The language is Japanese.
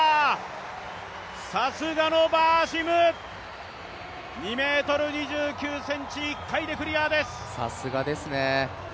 さすがのバーシム、２ｍ２９ｃｍ１回でクリアです。